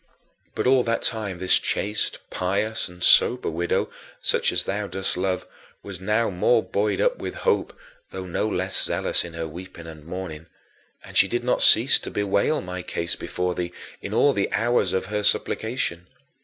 But all that time this chaste, pious, and sober widow such as thou dost love was now more buoyed up with hope, though no less zealous in her weeping and mourning; and she did not cease to bewail my case before thee, in all the hours of her supplication.